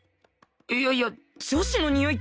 いやいや女子のにおいってさ